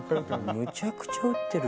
むちゃくちゃ打ってる。